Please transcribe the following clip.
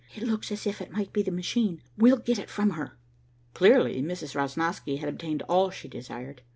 "It looks as if it might be the machine. We'll get it from her." Clearly Mrs. Rosnosky had obtained all she desired.